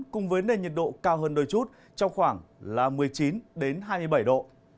cùng với nền nhiệt độ cao hơn đôi chút trong khoảng một mươi chín hai mươi bảy độ